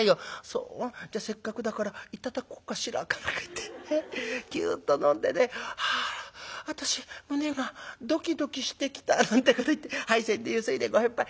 『そう？じゃあせっかくだから頂こうかしら』か何か言ってキュっと飲んでね『はあ私胸がドキドキしてきた』なんてこと言って杯洗でゆすいで『ご返杯』。